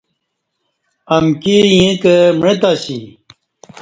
امکی ییں کہ معتہ اسی